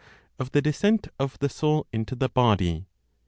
Of the Descent of the Soul into the Body.